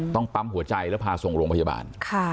ปั๊มหัวใจแล้วพาส่งโรงพยาบาล